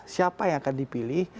siapa yang akan dipilih